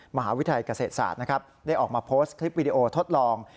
มหาวิทยาลัยเกษตรศาสตร์นะครับได้ออกมาโพสต์คลิปวิดีโอทดลอง